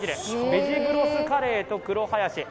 ベジブロスカレーと黒ハヤシ。